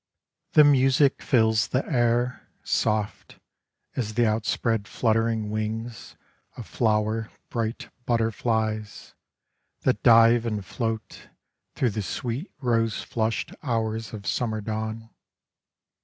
11 Clavichords. The music fills the air Soft as the outspread fluttering wings of flower bright butterflies That dive and float Through the sweet rose flushed hours of summer dawn.